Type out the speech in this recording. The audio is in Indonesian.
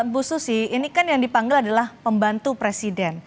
bu susi ini kan yang dipanggil adalah pembantu presiden